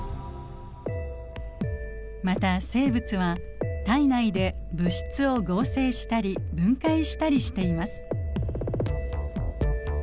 また生物は体内で物質を合成したり分解したりしています。